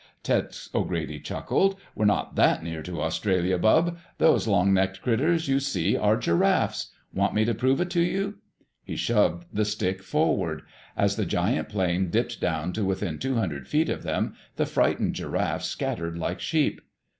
Tex O'Grady chuckled. "We're not that near to Australia, Bub. Those long necked critters you see are giraffes. Want me to prove it to you?" He shoved the stick forward. As the giant plane dipped down to within two hundred feet of them, the frightened giraffes scattered like sheep.